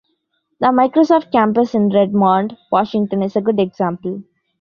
The Microsoft Campus in Redmond, Washington is a good example.